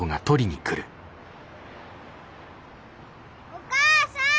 お母さん！